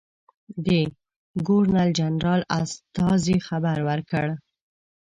د ګورنرجنرال استازي خبر ورکړ.